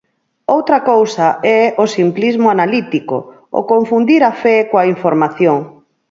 Outra cousa é o simplismo analítico, o confundir a fe coa información.